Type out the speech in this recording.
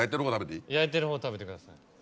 焼いてるほう食べてください。